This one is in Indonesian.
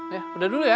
ya udah dulu ya